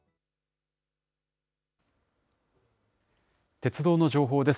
鉄道の情報です。